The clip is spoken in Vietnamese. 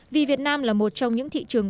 vì việt nam là một trong những thị trường